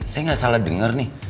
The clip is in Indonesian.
saya gak salah denger nih